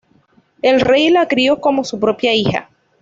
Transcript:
El rey la crio como su propia hija.